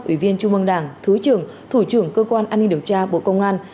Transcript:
ủy viên trung mương đảng thứ trưởng thủ trưởng cơ quan an ninh điều tra bộ công an